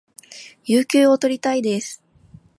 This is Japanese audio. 有給を取りたいです